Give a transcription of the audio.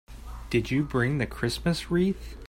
Did you bring the Christmas wreath?